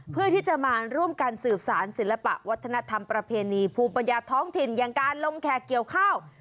เพื่อที่จะมาร่วมกันสืบสารศิลปะวัฒนธรรมประเพณีภูมิปัญญาท้องถิ่นอย่างการลงแขกเกี่ยวข้าว